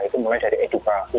itu mulai dari edukasi